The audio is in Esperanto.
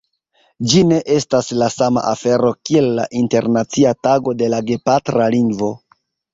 Ĝi ne estas la sama afero kiel la Internacia Tago de la Gepatra Lingvo.